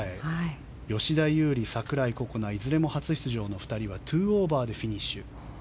吉田優利、櫻井心那いずれも初出場の２人は２オーバーでフィニッシュ。